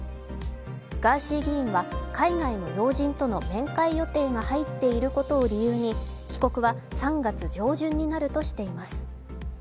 ガーシー議員は海外の要人との面会予定が入っていることを理由に帰国は３月上旬になるとしています